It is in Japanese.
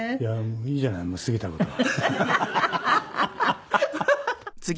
いいじゃないもう過ぎた事は。